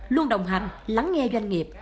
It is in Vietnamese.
luôn đồng hành lắng nghe doanh nghiệp